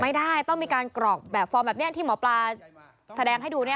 ไม่ได้ต้องมีการกรอกแบบฟอร์มแบบนี้ที่หมอปลาแสดงให้ดูเนี่ย